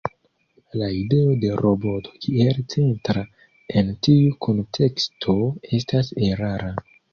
La ideo de roboto kiel centra en tiu kunteksto estas erara.